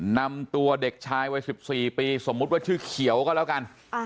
นำตัวเด็กชายวัย๑๔ปีสมมุติว่าชื่อเขียวก็แล้วกัน